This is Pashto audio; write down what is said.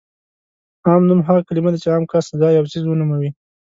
عام نوم هغه کلمه ده چې عام کس، ځای او څیز ونوموي.